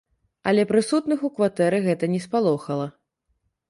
Але прысутных у кватэры гэта не спалохала.